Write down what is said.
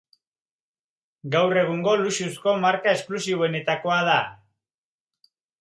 Gaur egungo luxuzko marka esklusiboenetakoa da.